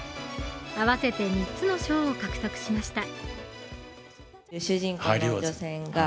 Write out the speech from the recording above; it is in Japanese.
合わせて３つの賞を獲得しました。